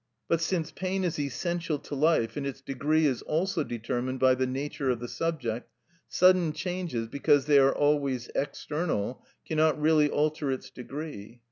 But since pain is essential to life, and its degree is also determined by the nature of the subject, sudden changes, because they are always external, cannot really alter its degree.